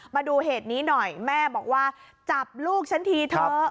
มาดูเหตุนี้หน่อยแม่บอกว่าจับลูกฉันทีเถอะ